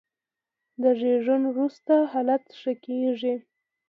د زېږون وروسته حالت ښه کېږي.